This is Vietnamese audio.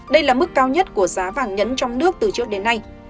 đây là mức cao nhất của giá vàng nhẫn trong nước từ trước đến nay